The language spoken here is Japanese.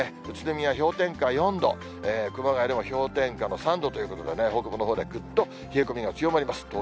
宇都宮氷点下４度、熊谷でも氷点下の３度ということで、北部のほうではぐっと冷え込みが強まります。